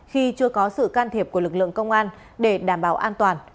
khi chưa có sự can thiệp của lực lượng công an để đảm bảo an toàn